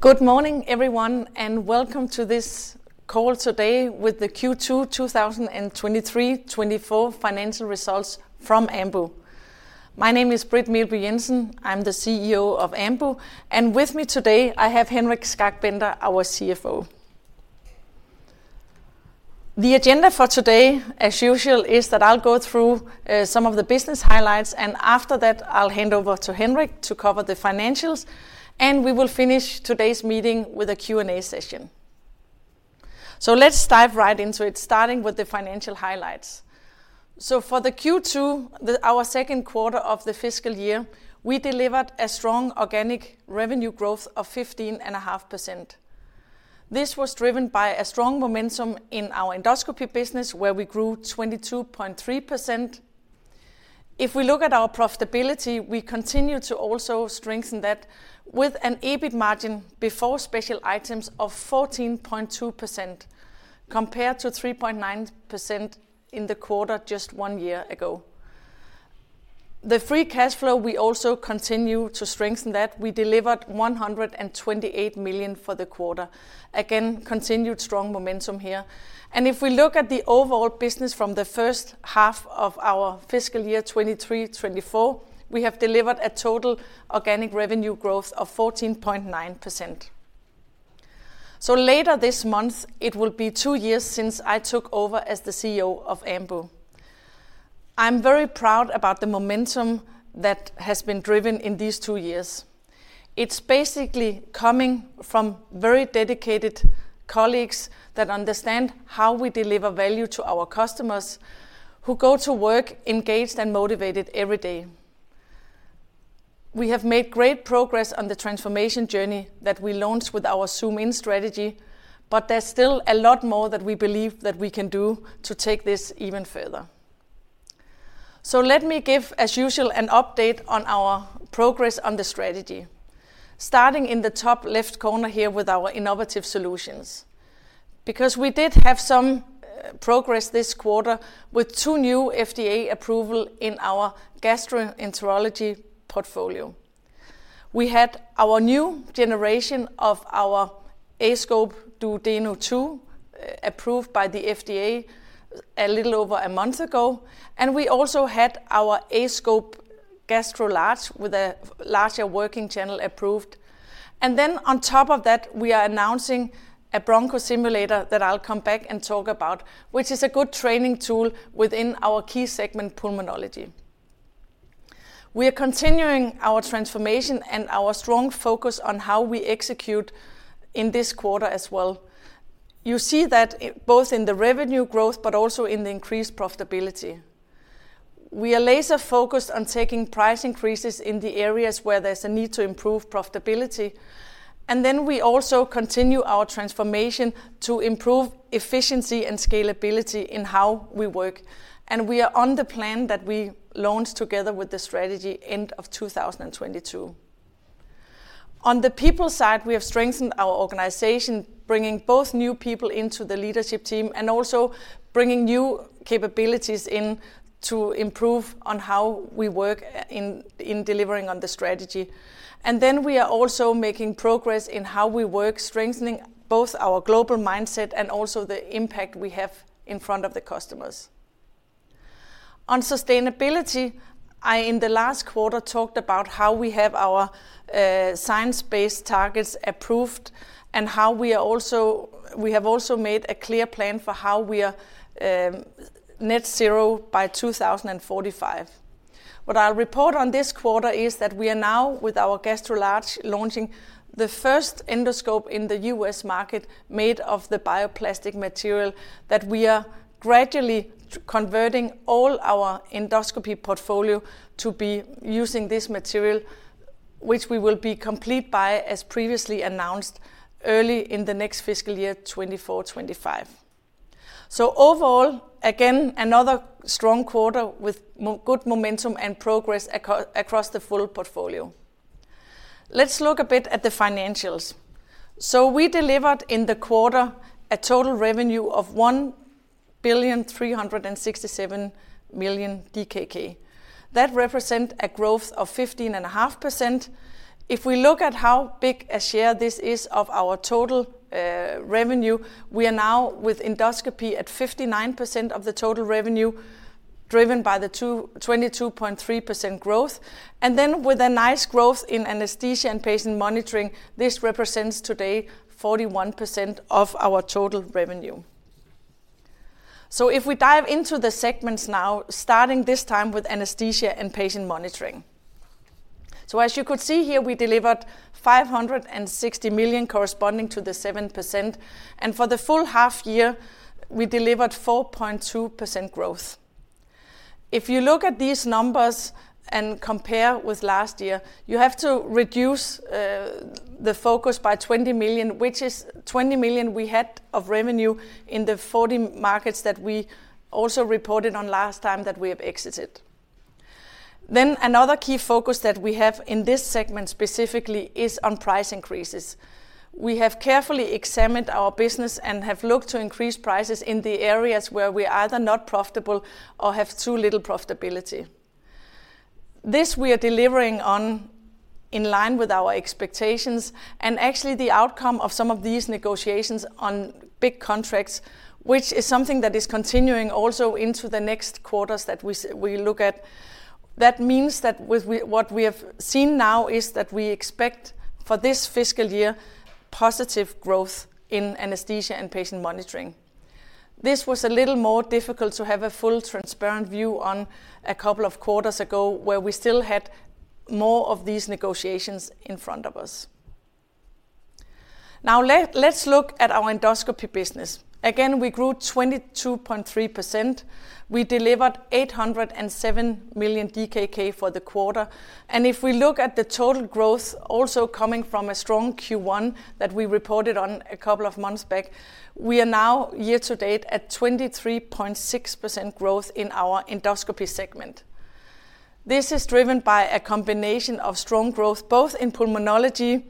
Good morning, everyone, and welcome to this call today with the Q2 2023-'24 Financial Results from Ambu. My name is Britt Meelby Jensen. I'm the CEO of Ambu, and with me today, I have Henrik Skak Bender, our CFO. The agenda for today, as usual, is that I'll go through some of the business highlights, and after that I'll hand over to Henrik to cover the financials, and we will finish today's meeting with a Q&A session. So let's dive right into it, starting with the financial highlights. So for the Q2, our second quarter of the fiscal year, we delivered a strong organic revenue growth of 15.5%. This was driven by a strong momentum in our endoscopy business, where we grew 22.3%. If we look at our profitability, we continue to also strengthen that with an EBIT margin before special items of 14.2%, compared to 3.9% in the quarter just one year ago. The free cash flow, we also continue to strengthen that. We delivered 128 million for the quarter. Again, continued strong momentum here. And if we look at the overall business from the first half of our fiscal year 2023-2024, we have delivered a total organic revenue growth of 14.9%. So later this month, it will be two years since I took over as the CEO of Ambu. I'm very proud about the momentum that has been driven in these two years. It's basically coming from very dedicated colleagues that understand how we deliver value to our customers, who go to work engaged and motivated every day. We have made great progress on the transformation journey that we launched with our Zoom In strategy, but there's still a lot more that we believe that we can do to take this even further. Let me give, as usual, an update on our progress on the strategy, starting in the top left corner here with our innovative solutions. Because we did have some progress this quarter with two new FDA approval in our gastroenterology portfolio. We had our new generation of our aScope Duodeno 2 approved by the FDA a little over a month ago, and we also had our aScope Gastro Large with a larger working channel approved. And then on top of that, we are announcing a broncho simulator that I'll come back and talk about, which is a good training tool within our key segment, pulmonology. We are continuing our transformation and our strong focus on how we execute in this quarter as well. You see that, both in the revenue growth, but also in the increased profitability. We are laser-focused on taking price increases in the areas where there's a need to improve profitability, and then we also continue our transformation to improve efficiency and scalability in how we work, and we are on the plan that we launched together with the strategy end of 2022. On the people side, we have strengthened our organization, bringing both new people into the leadership team and also bringing new capabilities in to improve on how we work, in delivering on the strategy. And then we are also making progress in how we work, strengthening both our global mindset and also the impact we have in front of the customers. On sustainability, I, in the last quarter, talked about how we have our science-based targets approved and how we are also... We have also made a clear plan for how we are net zero by 2045. What I'll report on this quarter is that we are now, with our Gastro Large, launching the first endoscope in the US market made of the bioplastic material, that we are gradually converting all our endoscopy portfolio to be using this material, which we will be complete by, as previously announced, early in the next fiscal year, 2024-2025. So overall, again, another strong quarter with good momentum and progress across the full portfolio. Let's look a bit at the financials. So we delivered in the quarter a total revenue of 1,367 million DKK. That represent a growth of 15.5%. If we look at how big a share this is of our total revenue, we are now with endoscopy at 59% of the total revenue, driven by the 22.3% growth, and then with a nice growth in anesthesia and patient monitoring, this represents today 41% of our total revenue. So if we dive into the segments now, starting this time with anesthesia and patient monitoring. So as you could see here, we delivered 560 million, corresponding to the 7%, and for the full half year, we delivered 4.2% growth. If you look at these numbers and compare with last year, you have to reduce the focus by 20 million, which is 20 million we had of revenue in the 40 markets that we also reported on last time that we have exited. Then another key focus that we have in this segment specifically is on price increases. We have carefully examined our business and have looked to increase prices in the areas where we are either not profitable or have too little profitability. This we are delivering on in line with our expectations, and actually the outcome of some of these negotiations on big contracts, which is something that is continuing also into the next quarters that we look at. That means that what we have seen now is that we expect for this fiscal year, positive growth in anesthesia and patient monitoring. This was a little more difficult to have a full transparent view on a couple of quarters ago, where we still had more of these negotiations in front of us. Now, let's look at our endoscopy business. Again, we grew 22.3%. We delivered 807 million DKK for the quarter, and if we look at the total growth, also coming from a strong Q1 that we reported on a couple of months back, we are now year to date at 23.6% growth in our Endoscopy segment. This is driven by a combination of strong growth, both in Pulmonology,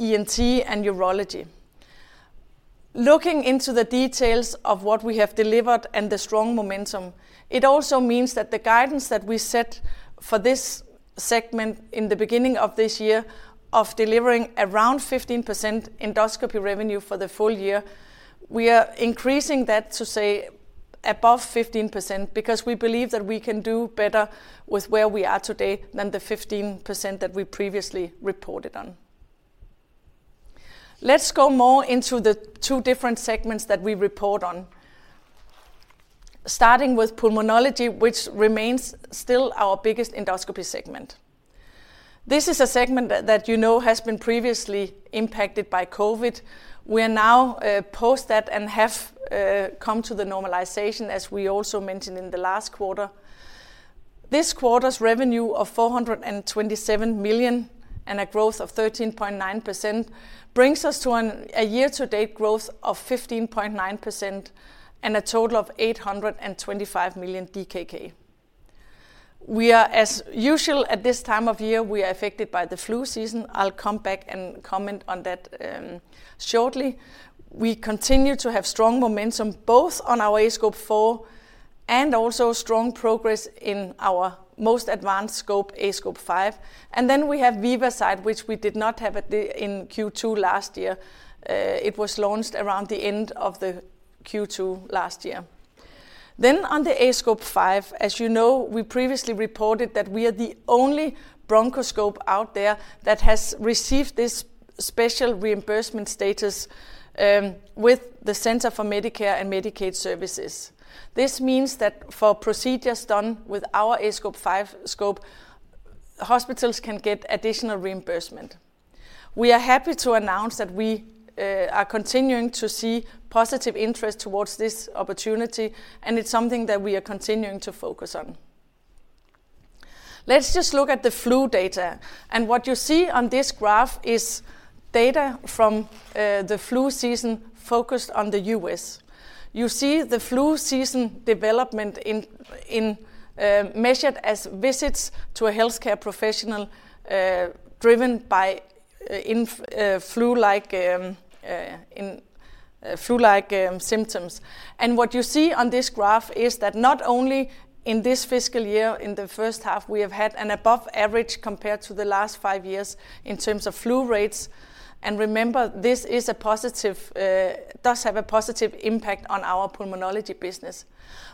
ENT, and Urology. Looking into the details of what we have delivered and the strong momentum, it also means that the guidance that we set for this segment in the beginning of this year, of delivering around 15% Endoscopy revenue for the full year, we are increasing that to say above 15%, because we believe that we can do better with where we are today than the 15% that we previously reported on. Let's go more into the two different segments that we report on. Starting with pulmonology, which remains still our biggest endoscopy segment. This is a segment that, that you know has been previously impacted by COVID. We are now post that and have come to the normalization, as we also mentioned in the last quarter. This quarter's revenue of 427 million and a growth of 13.9%, brings us to a year to date growth of 15.9% and a total of 825 million DKK. We are as usual, at this time of year, we are affected by the flu season. I'll come back and comment on that, shortly. We continue to have strong momentum, both on our aScope 4, and also strong progress in our most advanced scope, aScope 5. And then we have VivaSight, which we did not have in Q2 last year. It was launched around the end of the Q2 last year. Then on the aScope 5, as you know, we previously reported that we are the only bronchoscope out there that has received this special reimbursement status with the Center for Medicare and Medicaid Services. This means that for procedures done with our aScope 5 scope, hospitals can get additional reimbursement. We are happy to announce that we are continuing to see positive interest towards this opportunity, and it's something that we are continuing to focus on. Let's just look at the flu data, and what you see on this graph is data from the flu season focused on the U.S. You see the flu season development measured as visits to a healthcare professional driven by flu-like symptoms. What you see on this graph is that not only in this fiscal year, in the first half, we have had an above average compared to the last five years in terms of flu rates, and remember, this is a positive, does have a positive impact on our pulmonology business.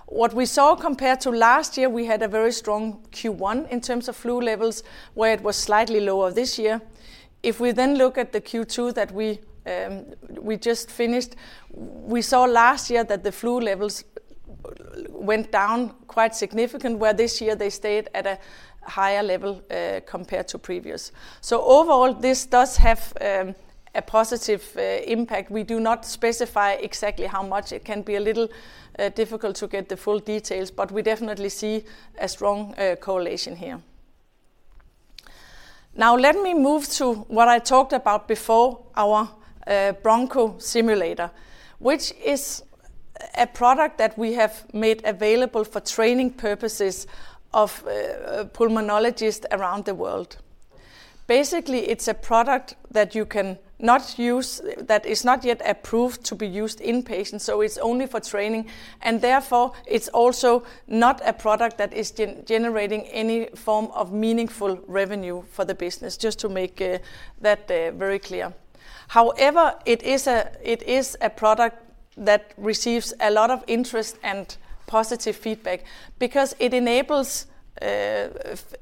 What we saw compared to last year, we had a very strong Q1 in terms of flu levels, where it was slightly lower this year. If we then look at the Q2 that we just finished, we saw last year that the flu levels went down quite significant, where this year they stayed at a higher level, compared to previous. So overall, this does have a positive impact. We do not specify exactly how much. It can be a little difficult to get the full details, but we definitely see a strong correlation here. Now, let me move to what I talked about before, our broncho simulator, which is a product that we have made available for training purposes of pulmonologists around the world. Basically, it's a product that you cannot use, that is not yet approved to be used in patients, so it's only for training, and therefore, it's also not a product that is generating any form of meaningful revenue for the business, just to make that very clear. However, it is a product that receives a lot of interest and positive feedback because it enables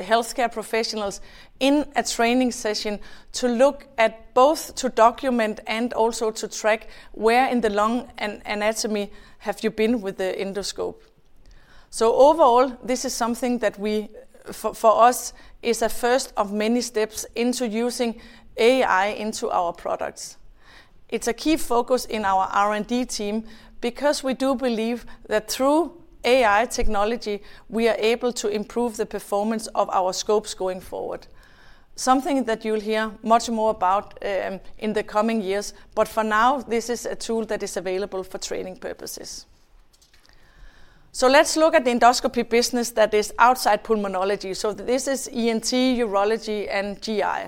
healthcare professionals in a training session to look at both to document and also to track where in the lung and anatomy have you been with the endoscope. So overall, this is something that we, for us, is a first of many steps into using AI into our products. It's a key focus in our R&D team because we do believe that through AI technology, we are able to improve the performance of our scopes going forward. Something that you'll hear much more about in the coming years, but for now, this is a tool that is available for training purposes. So let's look at the endoscopy business that is outside pulmonology. So this is ENT, urology, and GI.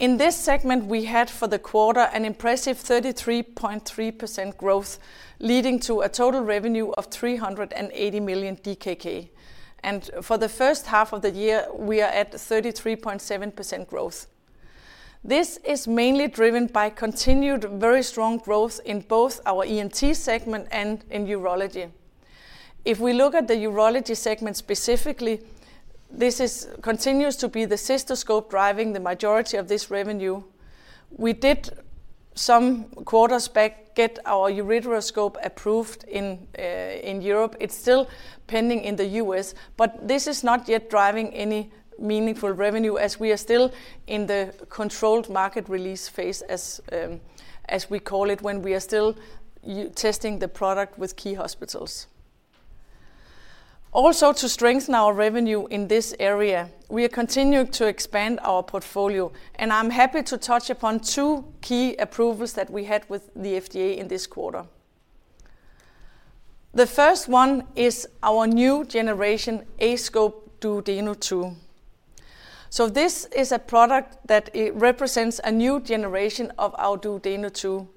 In this segment, we had for the quarter an impressive 33.3% growth, leading to a total revenue of 380 million DKK. For the first half of the year, we are at 33.7% growth. This is mainly driven by continued very strong growth in both our ENT segment and in urology. If we look at the urology segment specifically, this continues to be the cystoscope driving the majority of this revenue. We did, some quarters back, get our ureteroscope approved in Europe. It's still pending in the U.S., but this is not yet driving any meaningful revenue as we are still in the controlled market release phase, as we call it, when we are still testing the product with key hospitals. Also, to strengthen our revenue in this area, we are continuing to expand our portfolio, and I'm happy to touch upon two key approvals that we had with the FDA in this quarter. The first one is our new generation aScope Duodeno 2. So this is a product that, it represents a new generation of our Duodeno 2.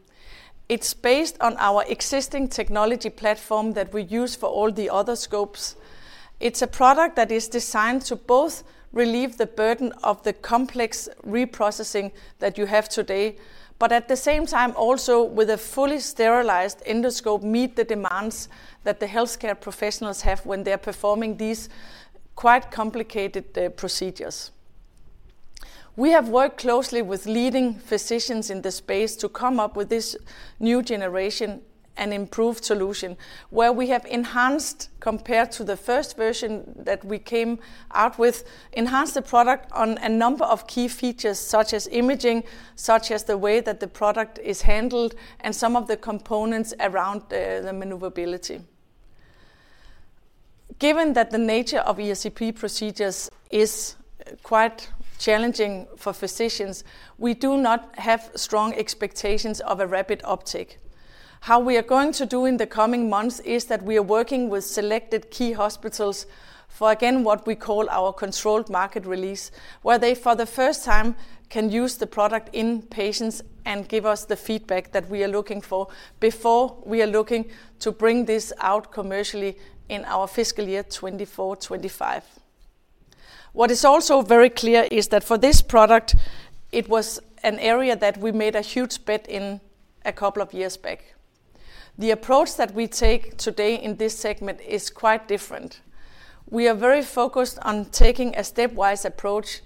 It's based on our existing technology platform that we use for all the other scopes. It's a product that is designed to both relieve the burden of the complex reprocessing that you have today, but at the same time, also with a fully sterilized endoscope, meet the demands that the healthcare professionals have when they are performing these quite complicated procedures. We have worked closely with leading physicians in this space to come up with this new generation and improved solution, where we have enhanced, compared to the first version that we came out with, enhanced the product on a number of key features, such as imaging, such as the way that the product is handled, and some of the components around, the maneuverability. Given that the nature of ESCP procedures is quite challenging for physicians, we do not have strong expectations of a rapid uptake. How we are going to do in the coming months is that we are working with selected key hospitals for, again, what we call our controlled market release, where they, for the first time, can use the product in patients and give us the feedback that we are looking for before we are looking to bring this out commercially in our fiscal year 2024-2025. What is also very clear is that for this product, it was an area that we made a huge bet in a couple of years back. The approach that we take today in this segment is quite different. We are very focused on taking a stepwise approach.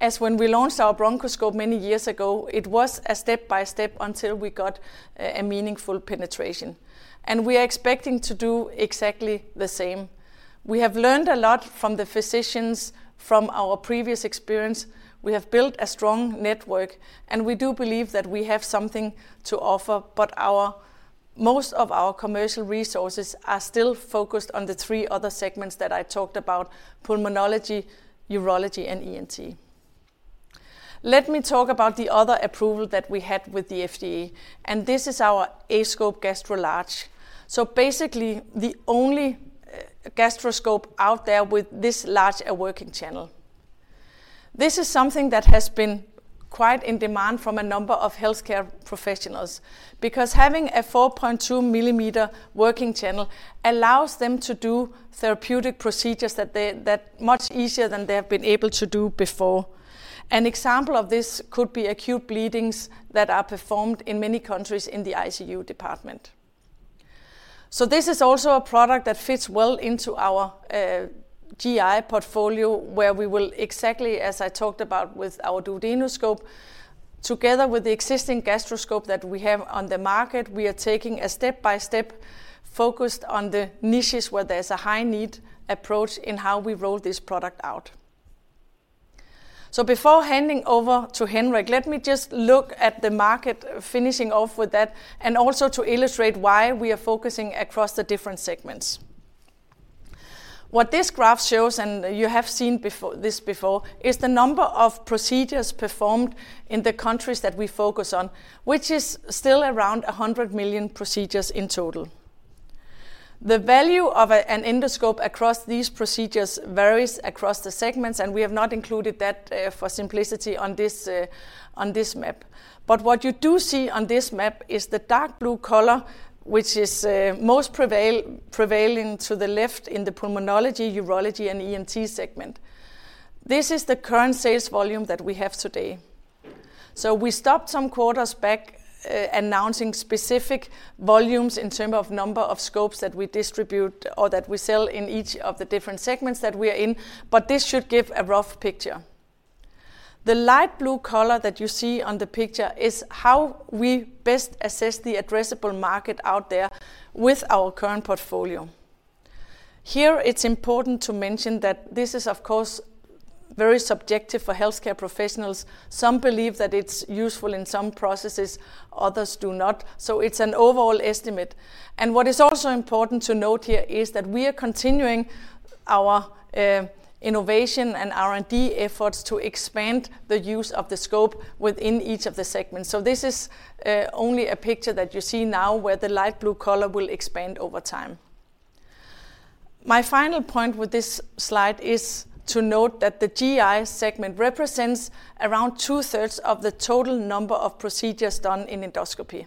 As when we launched our bronchoscope many years ago, it was a step-by-step until we got a meaningful penetration, and we are expecting to do exactly the same. We have learned a lot from the physicians, from our previous experience. We have built a strong network, and we do believe that we have something to offer, but our most of our commercial resources are still focused on the three other segments that I talked about: pulmonology, urology, and ENT. Let me talk about the other approval that we had with the FDA, and this is our aScope Gastro Large. So basically, the only gastroscope out there with this large a working channel. This is something that has been quite in demand from a number of healthcare professionals, because having a 4.2 mm working channel allows them to do therapeutic procedures that much easier than they have been able to do before. An example of this could be acute bleedings that are performed in many countries in the ICU department. So this is also a product that fits well into our GI portfolio, where we will exactly, as I talked about with our duodenoscope, together with the existing gastroscope that we have on the market, we are taking a step-by-step, focused on the niches where there's a high need approach in how we roll this product out. So before handing over to Henrik, let me just look at the market, finishing off with that, and also to illustrate why we are focusing across the different segments. What this graph shows, and you have seen this before, is the number of procedures performed in the countries that we focus on, which is still around 100 million procedures in total. The value of an endoscope across these procedures varies across the segments, and we have not included that for simplicity on this map. But what you do see on this map is the dark blue color, which is most prevailing to the left in the pulmonology, urology, and ENT segment. This is the current sales volume that we have today. So we stopped some quarters back announcing specific volumes in terms of number of scopes that we distribute or that we sell in each of the different segments that we are in, but this should give a rough picture. The light blue color that you see on the picture is how we best assess the addressable market out there with our current portfolio. Here, it's important to mention that this is, of course, very subjective for healthcare professionals. Some believe that it's useful in some processes, others do not. So it's an overall estimate. What is also important to note here is that we are continuing our innovation and R&D efforts to expand the use of the scope within each of the segments. This is only a picture that you see now where the light blue color will expand over time... My final point with this slide is to note that the GI segment represents around two-thirds of the total number of procedures done in endoscopy.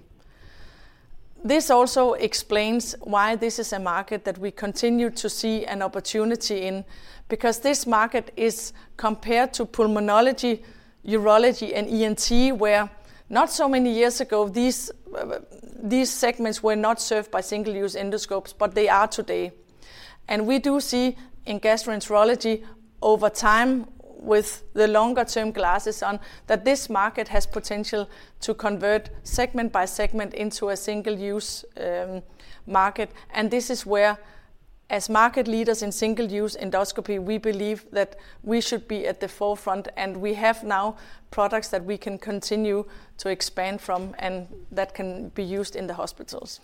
This also explains why this is a market that we continue to see an opportunity in, because this market is compared to pulmonology, urology, and ENT, where not so many years ago, these segments were not served by single-use endoscopes, but they are today. We do see in gastroenterology, over time, with the longer-term glasses on, that this market has potential to convert segment by segment into a single-use market. And this is where, as market leaders in single-use endoscopy, we believe that we should be at the forefront, and we have now products that we can continue to expand from and that can be used in the hospitals.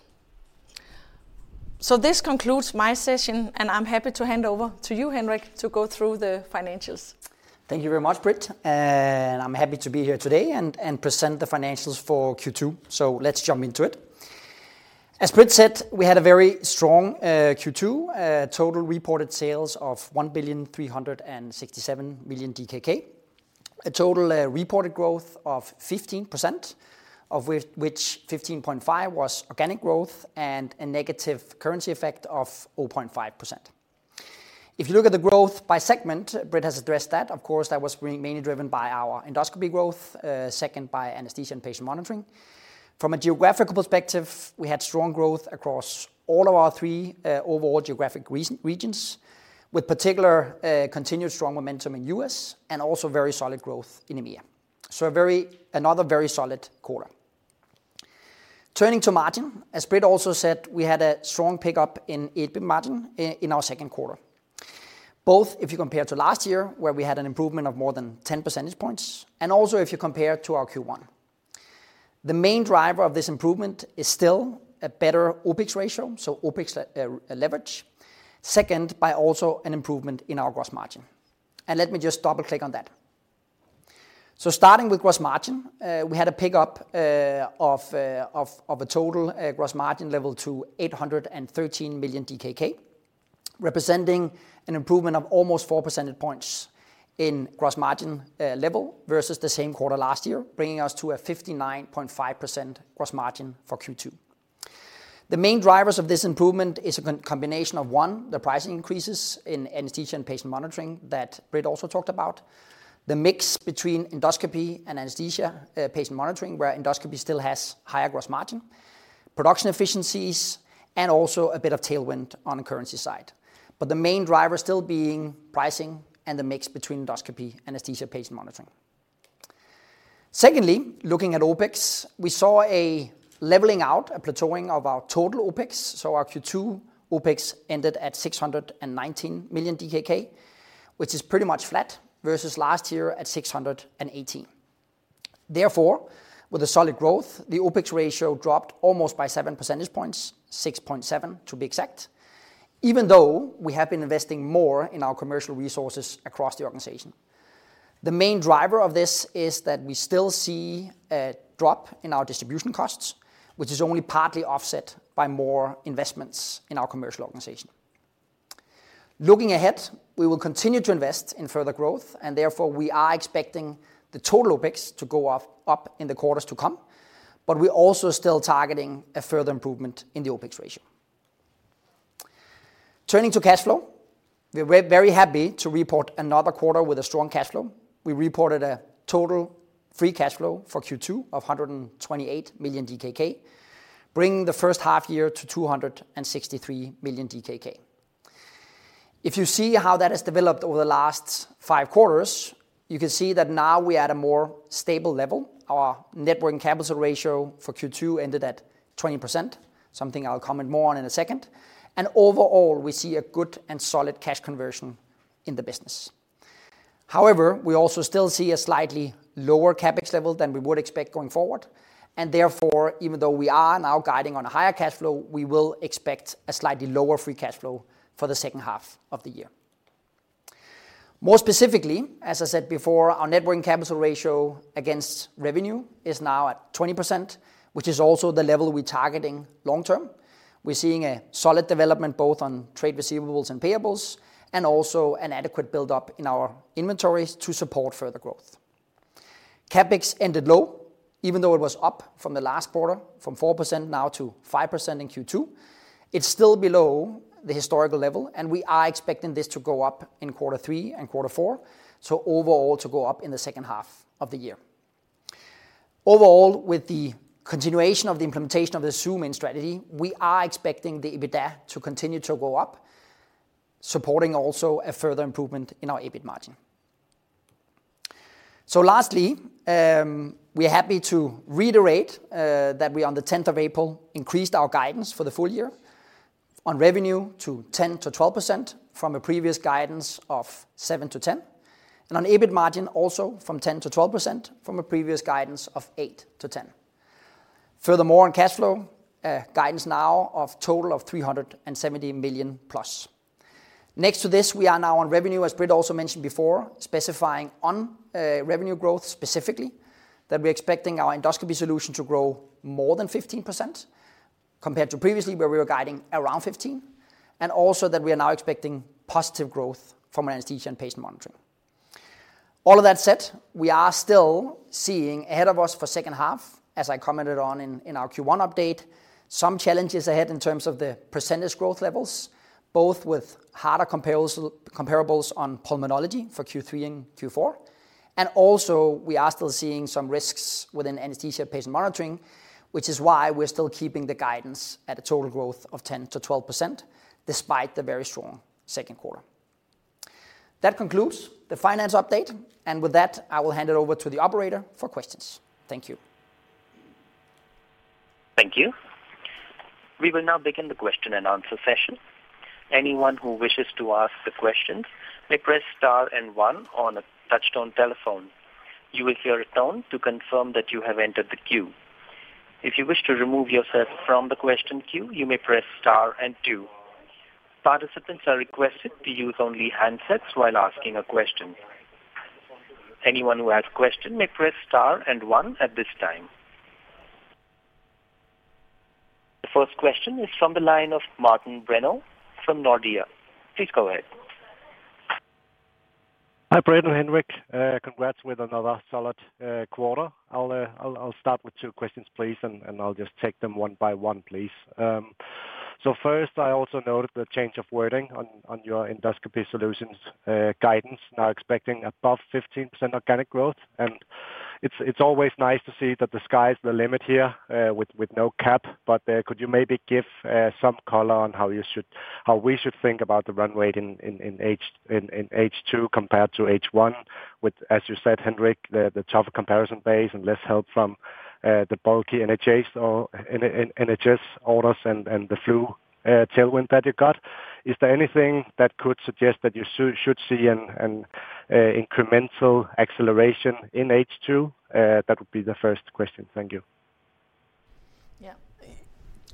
So this concludes my session, and I'm happy to hand over to you, Henrik, to go through the financials. Thank you very much, Britt. And I'm happy to be here today and present the financials for Q2, so let's jump into it. As Britt said, we had a very strong Q2, total reported sales of 1,367 million DKK. A total reported growth of 15%, of which 15.5% was organic growth and a negative currency effect of -0.5%. If you look at the growth by segment, Britt has addressed that. Of course, that was mainly driven by our endoscopy growth, second by anesthesia and patient monitoring. From a geographical perspective, we had strong growth across all of our three overall geographic regions, with particular continued strong momentum in U.S. and also very solid growth in EMEA. So another very solid quarter. Turning to margin, as Britt also said, we had a strong pickup in EBIT margin in our second quarter. Both if you compare to last year, where we had an improvement of more than 10 percentage points, and also if you compare to our Q1. The main driver of this improvement is still a better OpEx ratio, so OpEx leverage, second by also an improvement in our gross margin. And let me just double-click on that. So starting with gross margin, we had a pickup of a total gross margin level to 813 million DKK, representing an improvement of almost 4 percentage points in gross margin level versus the same quarter last year, bringing us to a 59.5% gross margin for Q2. The main drivers of this improvement is a combination of, one, the pricing increases in anesthesia and patient monitoring that Britt also talked about, the mix between endoscopy and anesthesia, patient monitoring, where endoscopy still has higher gross margin, production efficiencies, and also a bit of tailwind on the currency side. But the main driver still being pricing and the mix between endoscopy, anesthesia, patient monitoring. Secondly, looking at OpEx, we saw a leveling out, a plateauing of our total OpEx, so our Q2 OpEx ended at 619 million DKK, which is pretty much flat versus last year at 618 million. Therefore, with a solid growth, the OpEx ratio dropped almost by 7 percentage points, 6.7 to be exact, even though we have been investing more in our commercial resources across the organization. The main driver of this is that we still see a drop in our distribution costs, which is only partly offset by more investments in our commercial organization. Looking ahead, we will continue to invest in further growth, and therefore, we are expecting the total OpEx to go up in the quarters to come, but we're also still targeting a further improvement in the OpEx ratio. Turning to cash flow, we're very happy to report another quarter with a strong cash flow. We reported a total free cash flow for Q2 of 128 million DKK, bringing the first half year to 263 million DKK. If you see how that has developed over the last five quarters, you can see that now we are at a more stable level. Our net working capital ratio for Q2 ended at 20%, something I'll comment more on in a second. Overall, we see a good and solid cash conversion in the business. However, we also still see a slightly lower CapEx level than we would expect going forward, and therefore, even though we are now guiding on a higher cash flow, we will expect a slightly lower free cash flow for the second half of the year. More specifically, as I said before, our net working capital ratio against revenue is now at 20%, which is also the level we're targeting long term. We're seeing a solid development, both on trade receivables and payables, and also an adequate build-up in our inventories to support further growth. CapEx ended low, even though it was up from the last quarter, from 4%-5% in Q2. It's still below the historical level, and we are expecting this to go up in quarter three and quarter four, so overall to go up in the second half of the year. Overall, with the continuation of the implementation of the Zoom In strategy, we are expecting the EBITDA to continue to go up, supporting also a further improvement in our EBIT margin. So lastly, we are happy to reiterate that we, on the tenth of April, increased our guidance for the full year on revenue to 10%-12% from a previous guidance of 7%-10%, and on EBIT margin, also from 10%-12% from a previous guidance of 8%-10%. Furthermore, on cash flow, guidance now of total of 370 million+. Next to this, we are now on revenue, as Britt also mentioned before, specifying on revenue growth specifically that we're expecting our endoscopy solution to grow more than 15%, compared to previously, where we were guiding around 15%, and also that we are now expecting positive growth from anesthesia and patient monitoring. All of that said, we are still seeing ahead of us for second half, as I commented on in our Q1 update, some challenges ahead in terms of the percentage growth levels, both with harder comparables on pulmonology for Q3 and Q4. Also, we are still seeing some risks within anesthesia patient monitoring, which is why we're still keeping the guidance at a total growth of 10%-12%, despite the very strong second quarter. That concludes the finance update, and with that, I will hand it over to the operator for questions. Thank you. Thank you. We will now begin the question-and-answer session. Anyone who wishes to ask the questions may press star and one on a touch-tone telephone. You will hear a tone to confirm that you have entered the queue. If you wish to remove yourself from the question queue, you may press star and two. Participants are requested to use only handsets while asking a question. Anyone who has question may press star and one at this time. The first question is from the line of Martin Brenøe from Nordea. Please go ahead. Hi, Britt and Henrik. Congrats with another solid quarter. I'll start with two questions, please, and I'll just take them one by one, please. So first, I also noted the change of wording on your endoscopy solutions guidance, now expecting above 15% organic growth, and it's always nice to see that the sky's the limit here with no cap. But could you maybe give some color on how we should think about the run rate in H2 compared to H1, with, as you said, Henrik, the tougher comparison base and less help from the bulky NHS orders and the flu tailwind that you got? Is there anything that could suggest that you should see an incremental acceleration in H2? That would be the first question. Thank you.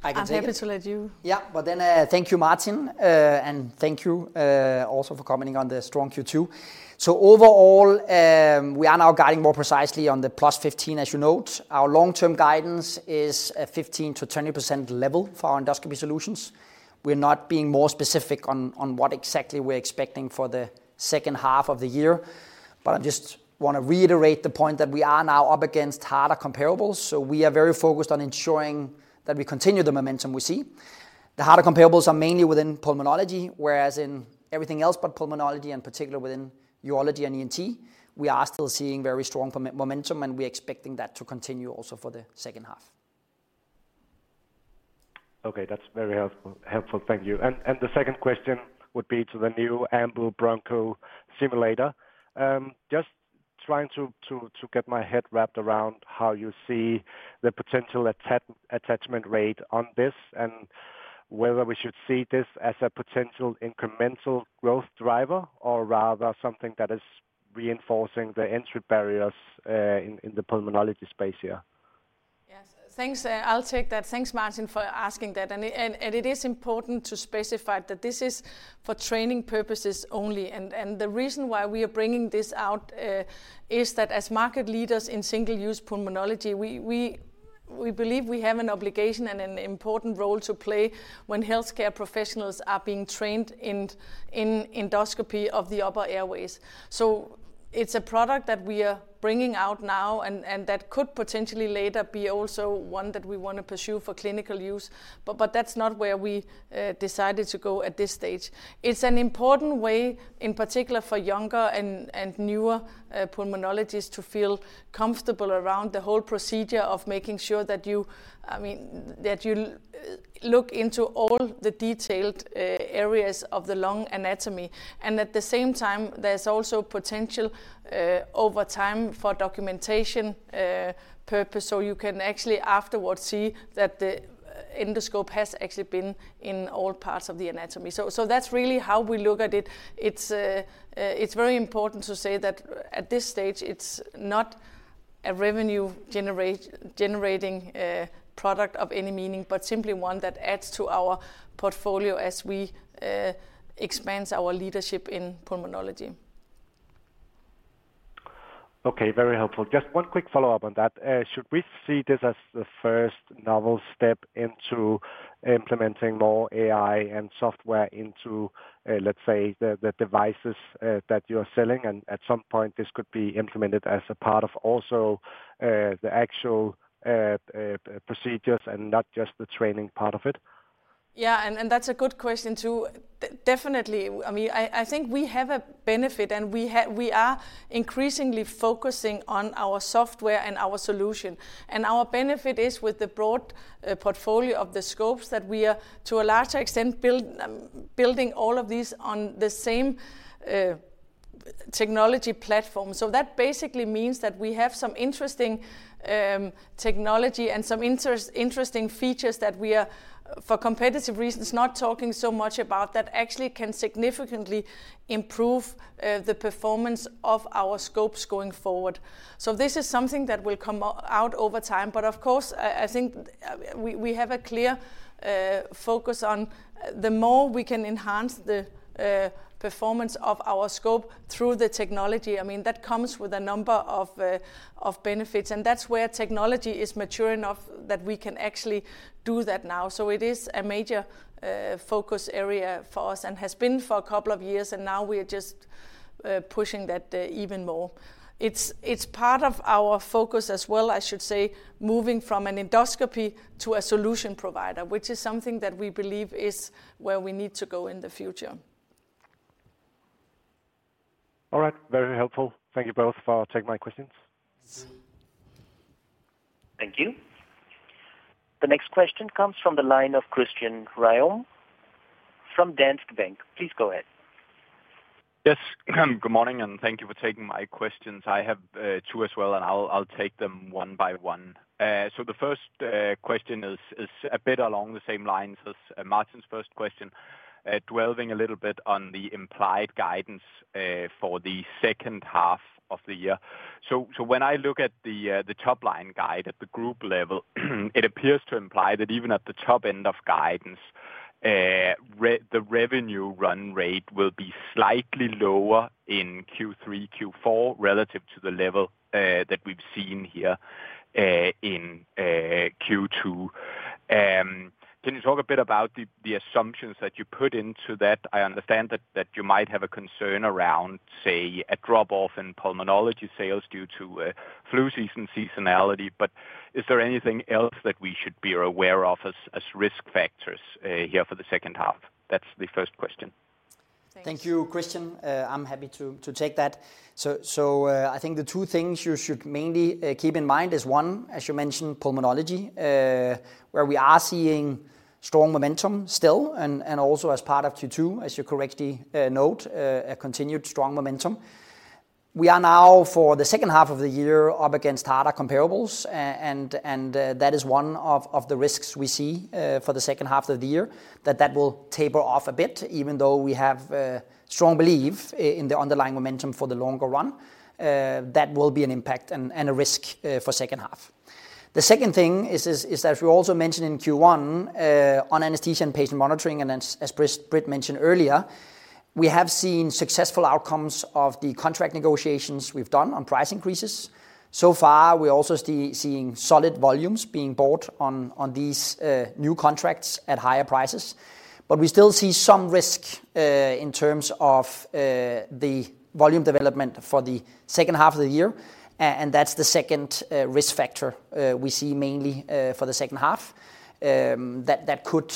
Yeah. I can take it. I'm happy to let you. Yeah. But then, thank you, Martin. And thank you also for commenting on the strong Q2. So overall, we are now guiding more precisely on the +15, as you note. Our long-term guidance is a 15%-20% level for our endoscopy solutions. We're not being more specific on what exactly we're expecting for the second half of the year, but I just want to reiterate the point that we are now up against harder comparables, so we are very focused on ensuring that we continue the momentum we see. The harder comparables are mainly within pulmonology, whereas in everything else but pulmonology, and particularly within urology and ENT, we are still seeing very strong momentum, and we're expecting that to continue also for the second half. Okay, that's very helpful, helpful. Thank you. And the second question would be to the new Ambu broncho simulator. Just trying to get my head wrapped around how you see the potential attachment rate on this, and whether we should see this as a potential incremental growth driver or rather something that is reinforcing the entry barriers in the pulmonology space here? Yes. Thanks. I'll take that. Thanks, Martin, for asking that. And it is important to specify that this is for training purposes only, and the reason why we are bringing this out is that as market leaders in single-use Pulmonology, we believe we have an obligation and an important role to play when healthcare professionals are being trained in Endoscopy of the upper airways. So it's a product that we are bringing out now and that could potentially later be also one that we want to pursue for clinical use, but that's not where we decided to go at this stage. It's an important way, in particular for younger and newer pulmonologists to feel comfortable around the whole procedure of making sure that you, I mean, that you look into all the detailed areas of the lung anatomy. And at the same time, there's also potential over time for documentation purpose. So you can actually afterwards see that the endoscope has actually been in all parts of the anatomy. So that's really how we look at it. It's very important to say that at this stage, it's not a revenue generating product of any meaning, but simply one that adds to our portfolio as we expand our leadership in pulmonology. Okay, very helpful. Just one quick follow-up on that. Should we see this as the first novel step into implementing more AI and software into, let's say, the devices that you're selling, and at some point, this could be implemented as a part of also the actual procedures and not just the training part of it? Yeah, and that's a good question, too. Definitely, I mean, I think we have a benefit, and we are increasingly focusing on our software and our solution. And our benefit is with the broad portfolio of the scopes, that we are, to a larger extent, building all of these on the same technology platform. So that basically means that we have some interesting technology and some interesting features that we are, for competitive reasons, not talking so much about, that actually can significantly improve the performance of our scopes going forward. So this is something that will come out over time. But of course, I think, we have a clear focus on the more we can enhance the performance of our scope through the technology, I mean, that comes with a number of benefits, and that's where technology is mature enough that we can actually do that now. So it is a major focus area for us and has been for a couple of years, and now we are just pushing that even more. It's part of our focus as well, I should say, moving from an endoscopy to a solution provider, which is something that we believe is where we need to go in the future. All right. Very helpful. Thank you both for taking my questions. Thank you. The next question comes from the line of Christian Ryom from Danske Bank. Please go ahead. Yes. Good morning, and thank you for taking my questions. I have two as well, and I'll take them one by one. So the first question is a bit along the same lines as Martin's first question, dwelling a little bit on the implied guidance for the second half of the year. So when I look at the top-line guide at the group level, it appears to imply that even at the top end of guidance, the revenue run rate will be slightly lower in Q3, Q4, relative to the level that we've seen here in Q2. Can you talk a bit about the assumptions that you put into that? I understand that you might have a concern around, say, a drop-off in pulmonology sales due to a flu season seasonality, but is there anything else that we should be aware of as risk factors here for the second half? That's the first question. Thanks. Thank you, Christian. I'm happy to take that. So, I think the two things you should mainly keep in mind is, one, as you mentioned, pulmonology, where we are seeing strong momentum still, and also as part of Q2, as you correctly note, a continued strong momentum. We are now, for the second half of the year, up against harder comparables, and that is one of the risks we see, for the second half of the year, that that will taper off a bit, even though we have strong belief in the underlying momentum for the longer run. That will be an impact and a risk, for second half. The second thing is that we also mentioned in Q1 on Anesthesia and Patient Monitoring, and as Britt mentioned earlier, we have seen successful outcomes of the contract negotiations we've done on price increases. So far, we're also seeing solid volumes being bought on these new contracts at higher prices. But we still see some risk in terms of the volume development for the second half of the year, and that's the second risk factor we see mainly for the second half. That could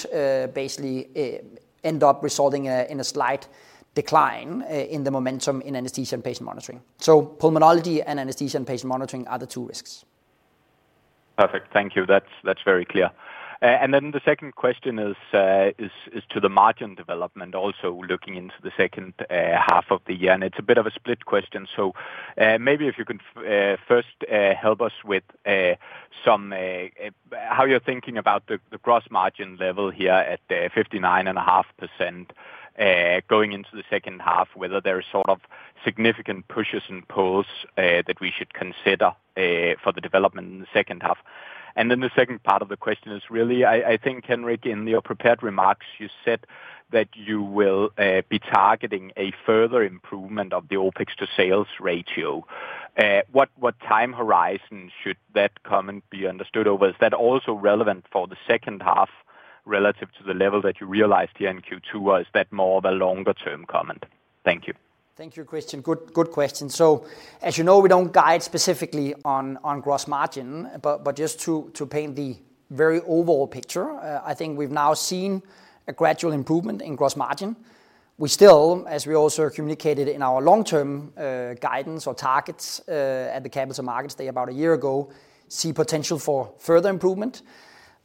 basically end up resulting in a slight decline in the momentum in Anesthesia and Patient Monitoring. So Pulmonology and Anesthesia and Patient Monitoring are the two risks. Perfect. Thank you. That's, that's very clear. And then the second question is to the margin development, also looking into the second half of the year, and it's a bit of a split question. So, maybe if you can first help us with how you're thinking about the gross margin level here at 59.5%, going into the second half, whether there is sort of significant pushes and pulls that we should consider for the development in the second half? And then the second part of the question is really, I, I think, Henrik, in your prepared remarks, you said that you will be targeting a further improvement of the OpEx to sales ratio. What, what time horizon should that comment be understood over? Is that also relevant for the second half relative to the level that you realized here in Q2, or is that more of a longer-term comment? Thank you. Thank you, Christian. Good, good question. So as you know, we don't guide specifically on gross margin, but just to paint the very overall picture, I think we've now seen a gradual improvement in gross margin. We still, as we also communicated in our long-term guidance or targets, at the Capital Markets Day about a year ago, see potential for further improvement.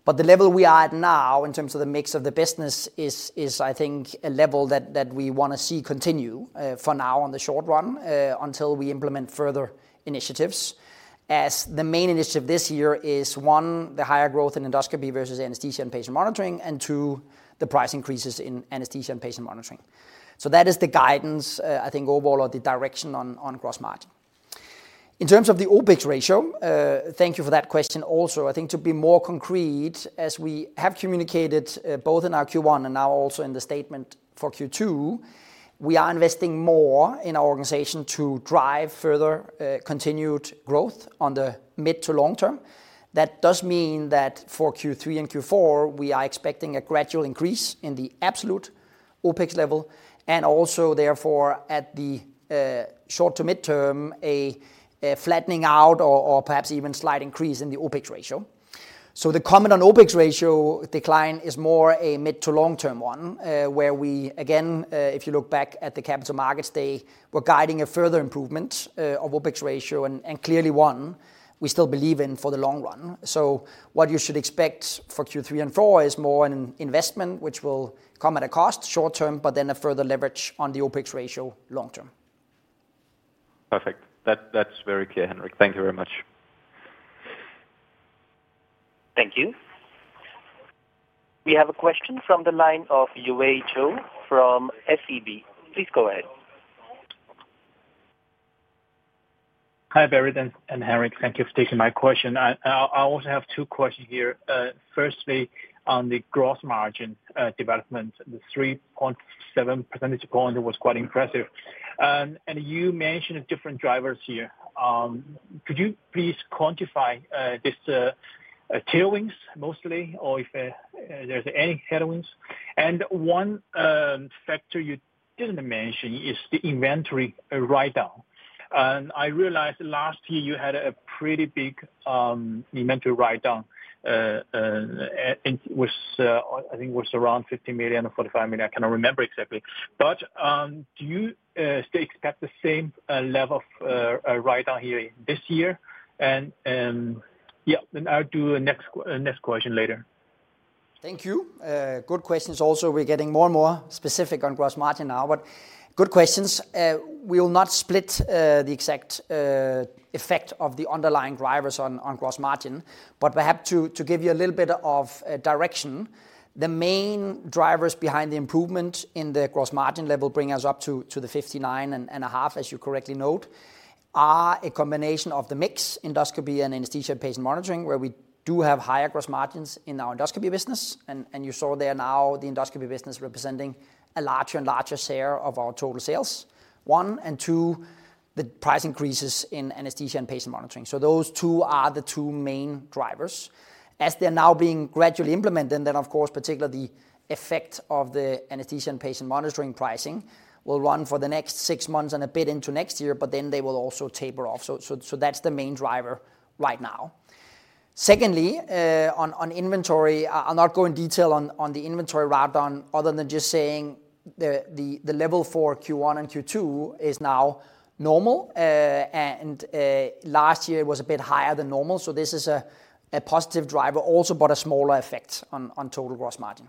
But the level we are at now, in terms of the mix of the business, is I think a level that we want to see continue, for now on the short run, until we implement further initiatives. As the main initiative this year is, one, the higher growth in endoscopy versus anesthesia and patient monitoring, and two, the price increases in anesthesia and patient monitoring. So that is the guidance, I think overall or the direction on gross margin. In terms of the OpEx ratio, thank you for that question also. I think to be more concrete, as we have communicated, both in our Q1 and now also in the statement for Q2, we are investing more in our organization to drive further continued growth on the mid to long term. That does mean that for Q3 and Q4, we are expecting a gradual increase in the absolute OpEx level, and also therefore, at the short to mid-term, a flattening out or perhaps even slight increase in the OpEx ratio. So the comment on OpEx ratio decline is more a mid- to long-term one, where we again, if you look back at the Capital Markets Day, we're guiding a further improvement, of OpEx ratio, and, and clearly one we still believe in for the long run. So what you should expect for Q3 and 4 is more an investment, which will come at a cost short-term, but then a further leverage on the OpEx ratio long-term. Perfect. That, that's very clear, Henrik. Thank you very much.... Thank you. We have a question from the line of Yiwei Zhou from SEB. Please go ahead. Hi, Britt and Henrik. Thank you for taking my question. I also have two questions here. Firstly, on the gross margin development, the 3.7 percentage point was quite impressive. And you mentioned different drivers here. Could you please quantify this tailwinds mostly, or if there's any headwinds? And one factor you didn't mention is the inventory write-down. And I realized last year you had a pretty big inventory write-down, and it was, I think it was around 50 million or 45 million, I cannot remember exactly. But do you still expect the same level of write-down here this year? And yeah, and I'll do a next question later. Thank you. Good questions, also we're getting more and more specific on gross margin now, but good questions. We will not split the exact effect of the underlying drivers on gross margin. But perhaps to give you a little bit of direction, the main drivers behind the improvement in the gross margin level, bring us up to 59.5%, as you correctly note, are a combination of the mix, endoscopy and anesthesia patient monitoring, where we do have higher gross margins in our endoscopy business. And you saw there now the endoscopy business representing a larger and larger share of our total sales, one and two, the price increases in anesthesia and patient monitoring. So those two are the two main drivers. As they're now being gradually implemented, then of course, particularly the effect of the Anesthesia and Patient Monitoring pricing will run for the next six months and a bit into next year, but then they will also taper off. So that's the main driver right now. Secondly, on inventory, I'll not go in detail on the inventory write-down, other than just saying the level for Q1 and Q2 is now normal, and last year was a bit higher than normal. So this is a positive driver, also, but a smaller effect on total gross margin.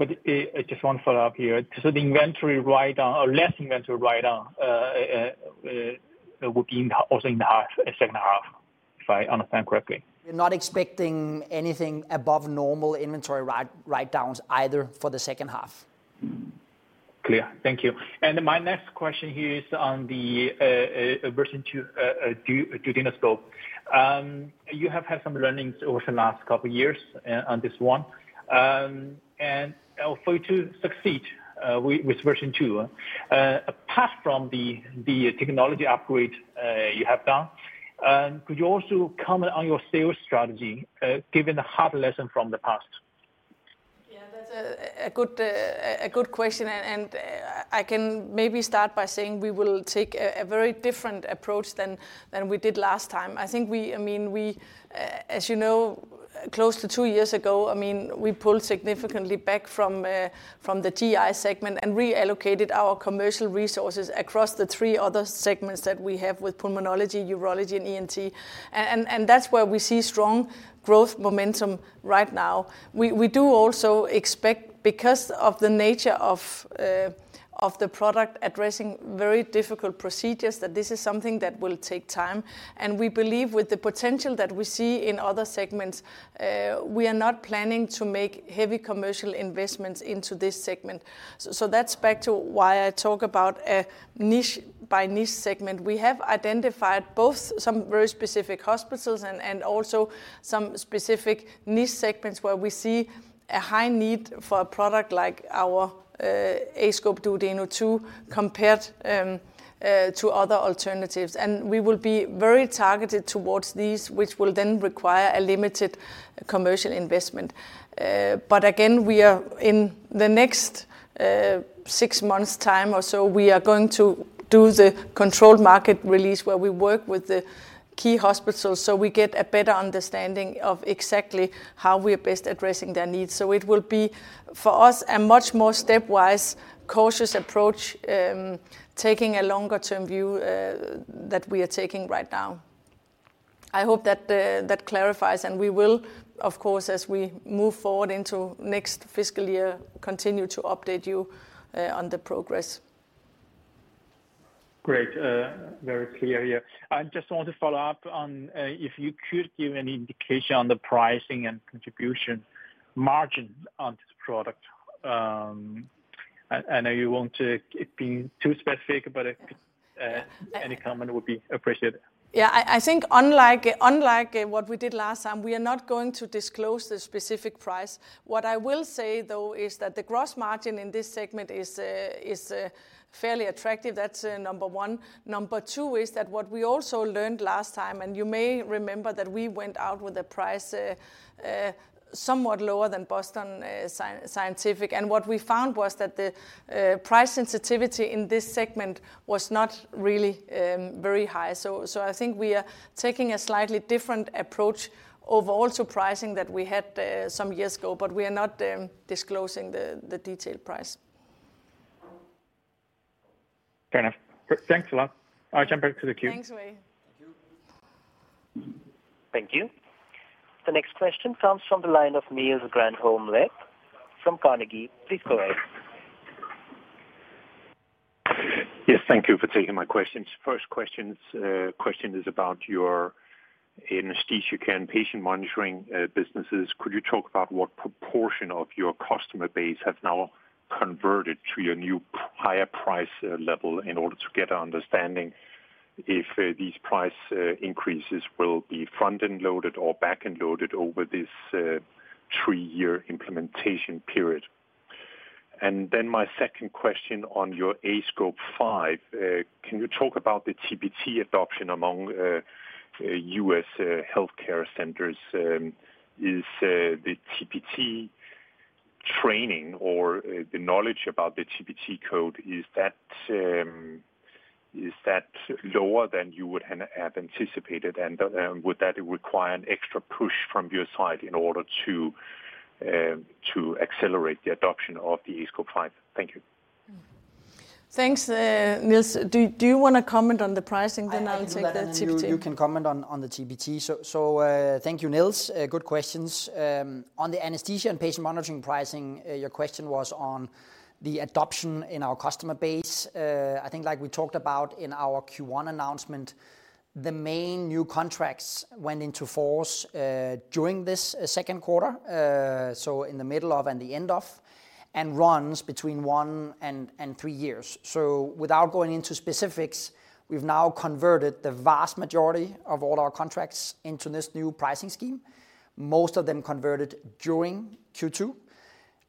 Just one follow-up here. So the inventory write-down or less inventory write-down would be also in the second half, if I understand correctly? We're not expecting anything above normal inventory write-downs either for the second half. Clear. Thank you. My next question here is on the version two duodenoscope. You have had some learnings over the last couple of years on this one. For you to succeed with version two, apart from the technology upgrade you have done, could you also comment on your sales strategy, given the hard lesson from the past? Yeah, that's a good question, and I can maybe start by saying we will take a very different approach than we did last time. I think we—I mean, we, as you know, close to 2 years ago, I mean, we pulled significantly back from the GI segment and reallocated our commercial resources across the 3 other segments that we have with Pulmonology, Urology, and ENT. And that's where we see strong growth momentum right now. We do also expect, because of the nature of the product, addressing very difficult procedures, that this is something that will take time. And we believe with the potential that we see in other segments, we are not planning to make heavy commercial investments into this segment. So that's back to why I talk about a niche by niche segment. We have identified both some very specific hospitals and also some specific niche segments where we see a high need for a product like our aScope Duodeno 2, compared to other alternatives. And we will be very targeted towards these, which will then require a limited commercial investment. But again, we are in the next six months time or so, we are going to do the controlled market release, where we work with the key hospitals, so we get a better understanding of exactly how we are best addressing their needs. So it will be, for us, a much more stepwise, cautious approach, taking a longer term view that we are taking right now. I hope that that clarifies, and we will, of course, as we move forward into next fiscal year, continue to update you on the progress. Great. Very clear here. I just want to follow up on if you could give any indication on the pricing and contribution margin on this product. I know you won't be too specific, but any comment would be appreciated. Yeah, I think unlike what we did last time, we are not going to disclose the specific price. What I will say, though, is that the gross margin in this segment is fairly attractive. That's number one. Number two is that what we also learned last time, and you may remember that we went out with a price somewhat lower than Boston Scientific. And what we found was that the price sensitivity in this segment was not really very high. So I think we are taking a slightly different approach overall to pricing that we had some years ago, but we are not disclosing the detailed price. Fair enough. Thanks a lot. I'll jump back to the queue. Thanks, Wei.... Thank you. The next question comes from the line of Niels Granholm-Leth from Carnegie. Please go ahead. Yes, thank you for taking my questions. First questions, question is about your Anesthesia and Patient Monitoring, businesses. Could you talk about what proportion of your customer base has now converted to your new higher price, level in order to get an understanding if, these price, increases will be front-end loaded or back-end loaded over this, three-year implementation period? And then my second question on your aScope 5, can you talk about the TPT adoption among, US, healthcare centers? Is, the TPT training or, the knowledge about the TPT code, is that, is that lower than you would have anticipated? And, would that require an extra push from your side in order to, to accelerate the adoption of the aScope 5? Thank you. Thanks, Niels. Do you want to comment on the pricing, then I'll take the TPT? I can do that, and you can comment on the TPT. So, thank you, Niels. Good questions. On the Anesthesia and Patient Monitoring pricing, your question was on the adoption in our customer base. I think like we talked about in our Q1 announcement, the main new contracts went into force during this second quarter, so in the middle of and the end of, and runs between one and three years. So without going into specifics, we've now converted the vast majority of all our contracts into this new pricing scheme. Most of them converted during Q2,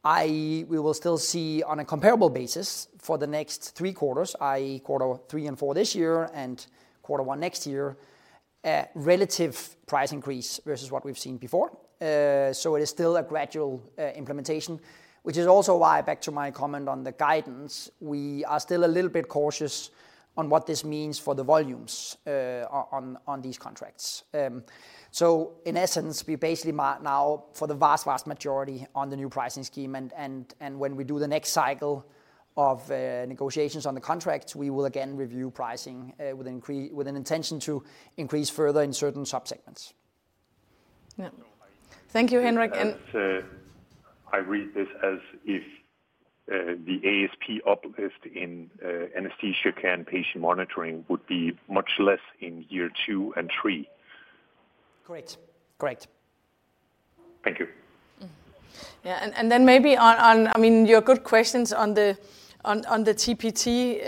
i.e., we will still see on a comparable basis for the next three quarters, i.e., quarter three and four this year and quarter one next year, a relative price increase versus what we've seen before. So it is still a gradual implementation, which is also why, back to my comment on the guidance, we are still a little bit cautious on what this means for the volumes on these contracts. So in essence, we basically are now for the vast, vast majority on the new pricing scheme, and when we do the next cycle of negotiations on the contracts, we will again review pricing with an intention to increase further in certain subsegments. Yeah. Thank you, Henrik, and- I read this as if the ASP uplift in anesthesia and patient monitoring would be much less in year two and three. Correct. Correct. Thank you. Mm-hmm. Yeah, and then maybe on... I mean, your good questions on the TPT,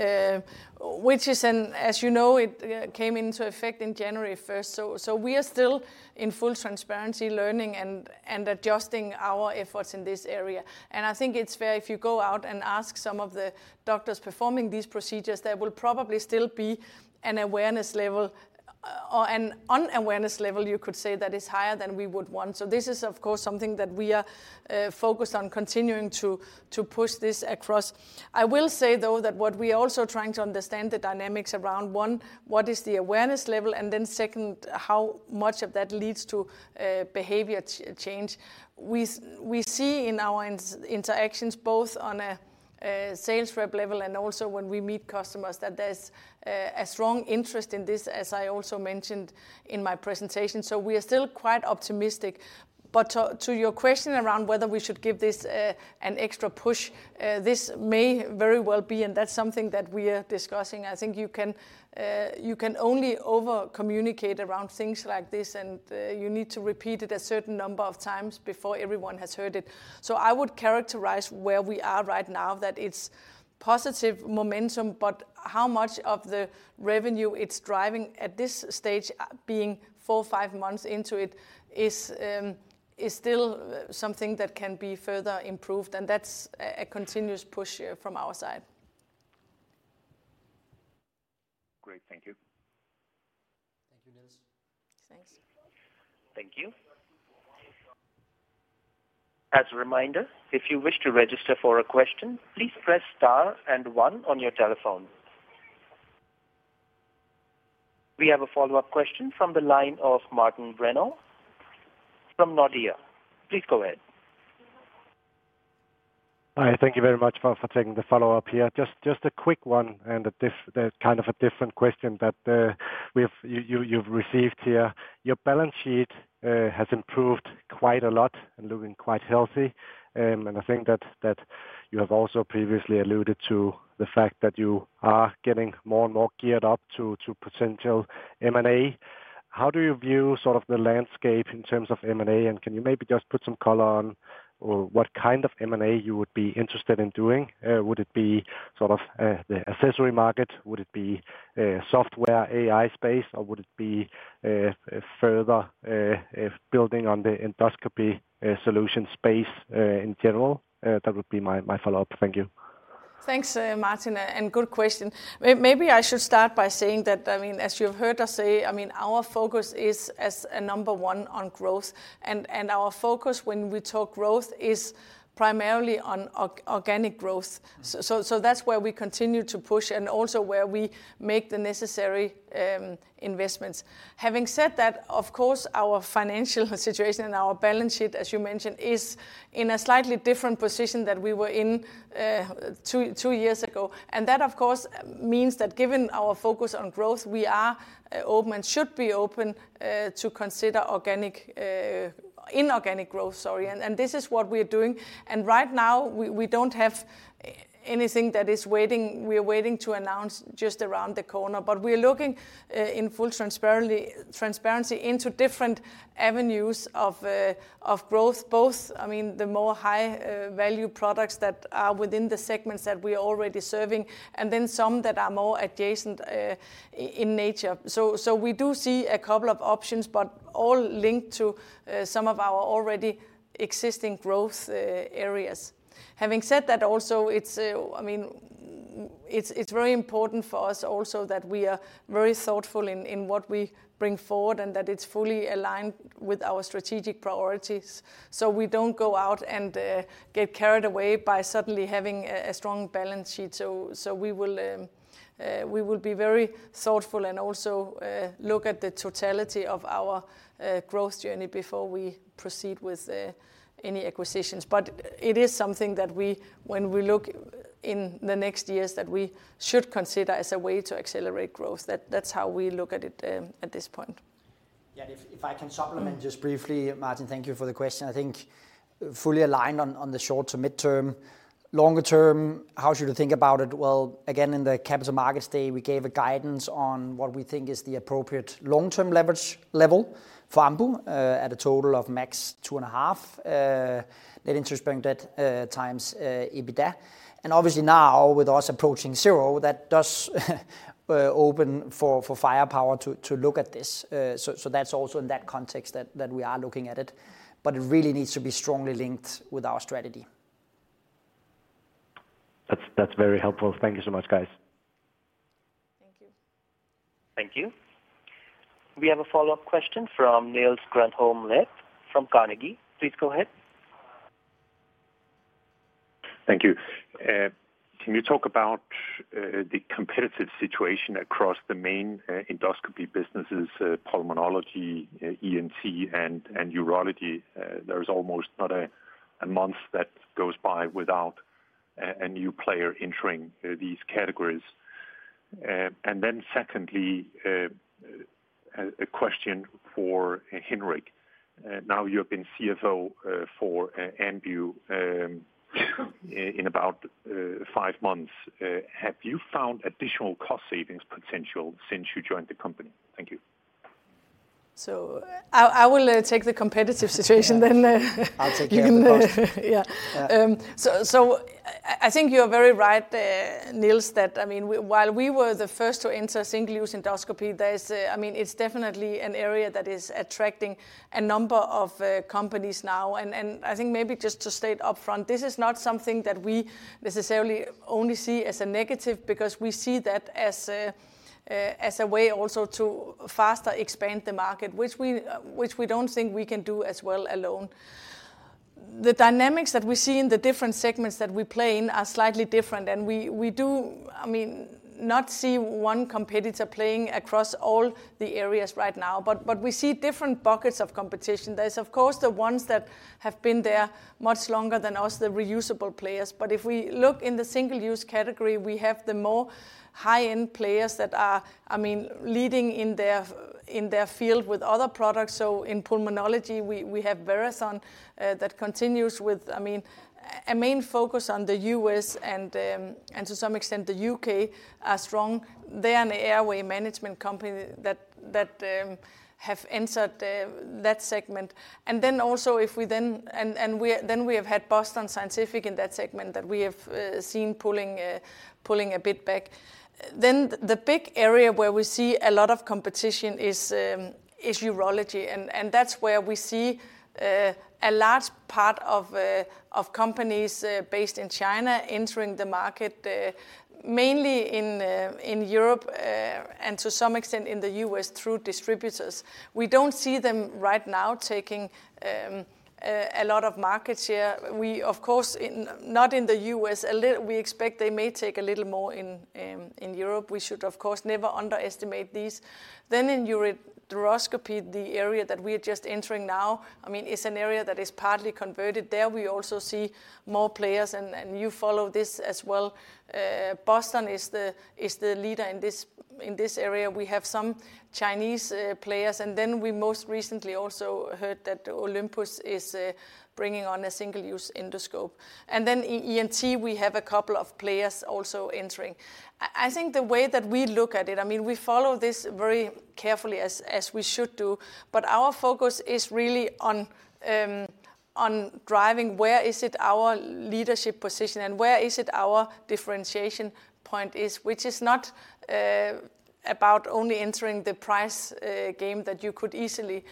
which is, as you know, it came into effect in January first. So we are still in full transparency, learning and adjusting our efforts in this area. And I think it's fair if you go out and ask some of the doctors performing these procedures, there will probably still be an awareness level or an unawareness level, you could say, that is higher than we would want. So this is, of course, something that we are focused on continuing to push this across. I will say, though, that what we are also trying to understand the dynamics around, one, what is the awareness level? And then second, how much of that leads to behavior change. We see in our interactions, both on a sales rep level and also when we meet customers, that there's a strong interest in this, as I also mentioned in my presentation, so we are still quite optimistic. But to your question around whether we should give this an extra push, this may very well be, and that's something that we are discussing. I think you can only overcommunicate around things like this, and you need to repeat it a certain number of times before everyone has heard it. So I would characterize where we are right now, that it's positive momentum, but how much of the revenue it's driving at this stage, being 4-5 months into it, is still something that can be further improved, and that's a continuous push from our side. Great. Thank you. Thank you, Niels. Thanks. Thank you. As a reminder, if you wish to register for a question, please press star and one on your telephone. We have a follow-up question from the line of Martin Brenøe from Nordea. Please go ahead. Hi, thank you very much for taking the follow-up here. Just a quick one, kind of a different question that you've received here. Your balance sheet has improved quite a lot and looking quite healthy, and I think that you have also previously alluded to the fact that you are getting more and more geared up to potential M&A. How do you view sort of the landscape in terms of M&A, and can you maybe just put some color on what kind of M&A you would be interested in doing? Would it be sort of the accessory market? Would it be software, AI space, or would it be further building on the endoscopy solution space in general? That would be my follow-up. Thank you. ... Thanks, Martin, and good question. Maybe I should start by saying that, I mean, as you've heard us say, I mean, our focus is as a number one on growth, and our focus when we talk growth is primarily on organic growth. So that's where we continue to push and also where we make the necessary investments. Having said that, of course, our financial situation and our balance sheet, as you mentioned, is in a slightly different position than we were in two years ago, and that, of course, means that given our focus on growth, we are open and should be open to consider organic, inorganic growth, sorry, and this is what we're doing. And right now, we don't have anything that is waiting, we are waiting to announce just around the corner. But we are looking in full transparency into different avenues of growth, both, I mean, the more high value products that are within the segments that we are already serving, and then some that are more adjacent in nature. So we do see a couple of options, but all linked to some of our already existing growth areas. Having said that, also, it's, I mean, it's very important for us also that we are very thoughtful in what we bring forward and that it's fully aligned with our strategic priorities, so we don't go out and get carried away by suddenly having a strong balance sheet. So we will be very thoughtful and also look at the totality of our growth journey before we proceed with any acquisitions. But it is something that when we look in the next years, that we should consider as a way to accelerate growth. That's how we look at it, at this point. Yeah, if, if I can supplement just briefly, Martin, thank you for the question. I think fully aligned on, on the short to mid-term. Longer term, how should you think about it? Well, again, in the Capital Markets Day, we gave a guidance on what we think is the appropriate long-term leverage level for Ambu, at a total of max 2.5x net interest bearing debt times EBITDA. And obviously now, with us approaching zero, that does open for, for firepower to, to look at this. So, so that's also in that context that, that we are looking at it, but it really needs to be strongly linked with our strategy. That's very helpful. Thank you so much, guys. Thank you. Thank you. We have a follow-up question from Niels Granholm-Leth from Carnegie. Please go ahead. Thank you. Can you talk about the competitive situation across the main endoscopy businesses, pulmonology, ENT, and urology? There's almost not a month that goes by without a new player entering these categories. And then secondly, a question for Henrik. Now, you have been CFO for Ambu in about five months. Have you found additional cost savings potential since you joined the company? Thank you. So I will take the competitive situation then. I'll take the other part. Yeah. Yeah. So, I think you're very right there, Niels, that, I mean, while we were the first to enter single-use endoscopy, I mean, it's definitely an area that is attracting a number of companies now, and I think maybe just to state upfront, this is not something that we necessarily only see as a negative, because we see that as a way also to faster expand the market, which we don't think we can do as well alone. The dynamics that we see in the different segments that we play in are slightly different, and we do, I mean, not see one competitor playing across all the areas right now, but we see different buckets of competition. There is, of course, the ones that have been there much longer than us, the reusable players. But if we look in the single-use category, we have the more high-end players that are, I mean, leading in their field with other products. So in pulmonology, we have Verathon that continues with, I mean, a main focus on the U.S. and to some extent the U.K., are strong. They are an airway management company that have entered that segment. And then we have had Boston Scientific in that segment that we have seen pulling a bit back. Then the big area where we see a lot of competition is urology, and that's where we see a large part of companies based in China entering the market mainly in Europe and to some extent in the U.S. through distributors. We don't see them right now taking a lot of market share. We, of course, not in the U.S., we expect they may take a little more in Europe. We should, of course, never underestimate these. Then in urology, the area that we are just entering now, I mean, it's an area that is partly converted. There, we also see more players, and you follow this as well. Boston is the leader in this area. We have some Chinese players, and then we most recently also heard that Olympus is bringing on a single-use endoscope. And then in ENT, we have a couple of players also entering. I think the way that we look at it, I mean, we follow this very carefully as we should do, but our focus is really on driving where is it our leadership position and where is it our differentiation point is, which is not about only entering the price game that you could easily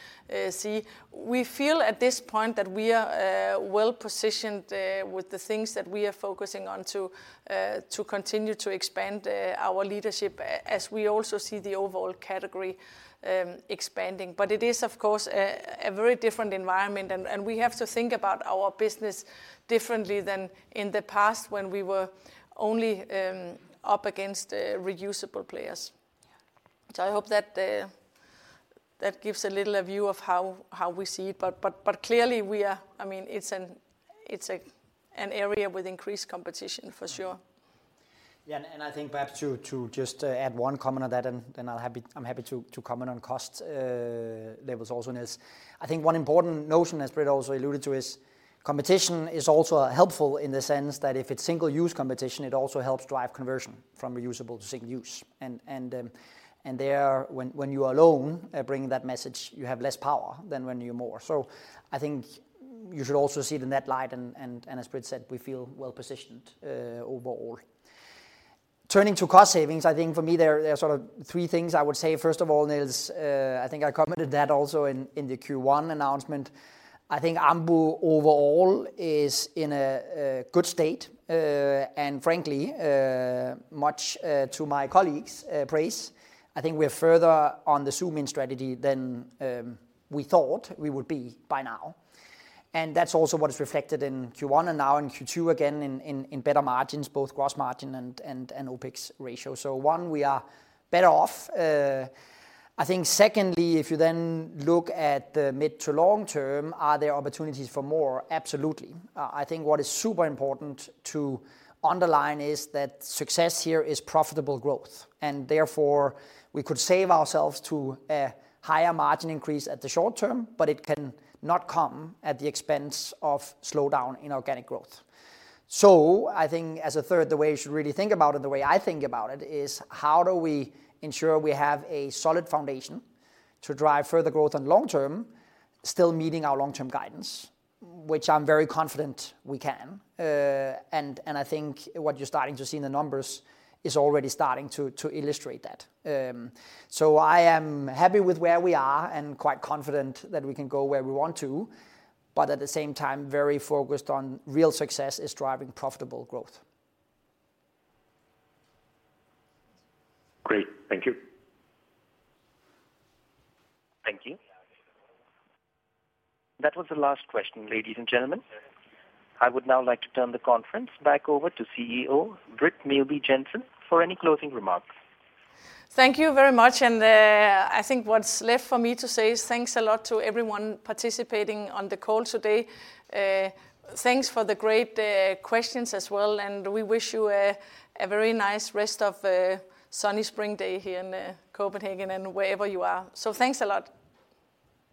see. We feel at this point that we are well positioned with the things that we are focusing on to continue to expand our leadership, as we also see the overall category expanding. But it is, of course, a very different environment, and we have to think about our business differently than in the past when we were only up against reusable players. So I hope that that gives a little view of how we see it. But clearly we are—I mean, it's an area with increased competition for sure. Yeah, and I think perhaps to just add one comment on that, and then I'm happy to comment on costs levels also in this. I think one important notion, as Britt also alluded to, is competition is also helpful in the sense that if it's single-use competition, it also helps drive conversion from reusable to single-use. And there, when you are alone bringing that message, you have less power than when you're more. So I think you should also see it in that light, and as Britt said, we feel well positioned overall. Turning to cost savings, I think for me there are sort of three things I would say. First of all, there is, I think I commented that also in the Q1 announcement. I think Ambu overall is in a good state. And frankly, much to my colleagues' praise, I think we're further on the Zoom In strategy than we thought we would be by now. And that's also what is reflected in Q1 and now in Q2, again, in better margins, both gross margin and OpEx ratio. So one, we are better off. I think secondly, if you then look at the mid- to long-term, are there opportunities for more? Absolutely. I think what is super important to underline is that success here is profitable growth, and therefore, we could save ourselves to a higher margin increase at the short term, but it cannot come at the expense of slowdown in organic growth. So I think as a third, the way you should really think about it, the way I think about it, is how do we ensure we have a solid foundation to drive further growth on long term, still meeting our long-term guidance, which I'm very confident we can. And I think what you're starting to see in the numbers is already starting to illustrate that. So I am happy with where we are and quite confident that we can go where we want to, but at the same time, very focused on real success is driving profitable growth. Great. Thank you. Thank you. That was the last question, ladies and gentlemen. I would now like to turn the conference back over to CEO Britt Meelby Jensen for any closing remarks. Thank you very much, and I think what's left for me to say is thanks a lot to everyone participating on the call today. Thanks for the great questions as well, and we wish you a very nice rest of a sunny spring day here in Copenhagen and wherever you are. So thanks a lot!